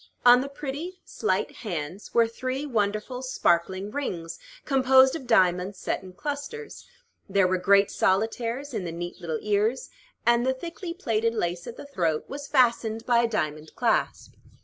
On the pretty, slight hands were three wonderful, sparkling rings, composed of diamonds set in clusters: there were great solitaires in the neat little ears, and the thickly plaited lace at the throat was fastened by a diamond clasp.